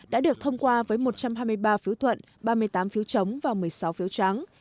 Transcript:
đã được thông qua với một trăm hai mươi ba phiếu thuận ba mươi tám phiếu chống và một mươi sáu phiếu trắng